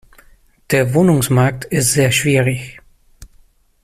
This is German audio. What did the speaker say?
Der Wohnungsmarkt ist sehr schwierig.